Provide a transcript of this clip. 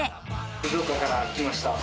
静岡から来ました。